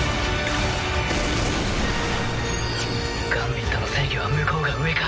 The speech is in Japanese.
ガンビットの制御は向こうが上か。